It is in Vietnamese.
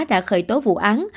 đã khởi tố vụ án